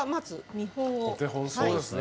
お手本そうですね。